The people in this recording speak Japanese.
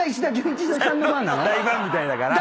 大ファンみたいだから。